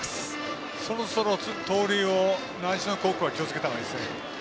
そろそろ盗塁を習志野高校気をつけたほうがいいです。